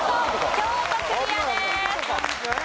京都クリアです。